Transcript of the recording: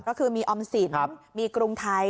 ก็คือมีออมสินมีกรุงไทย